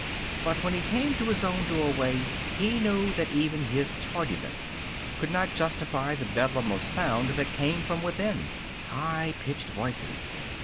But when he came to his own doorway he knew that even his tardiness could not justify the bedlam of sound that came from within. High pitched voices.